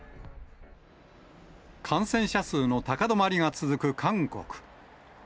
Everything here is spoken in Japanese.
感染者数の高止まりが続く韓国。